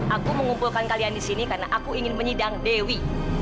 aku mengumpulkan kalian di sini karena aku ingin menyidang dewi